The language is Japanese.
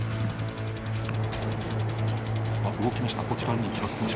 動きました。